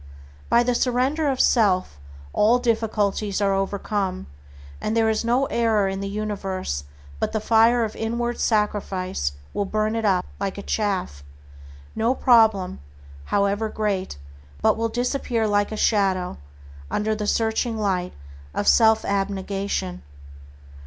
By the surrender of self all difficulties are overcome, and there is no error in the universe but the fire of inward sacrifice will burn it up like chaff; no problem, however great, but will disappear like a shadow under the searching light of self abnegation.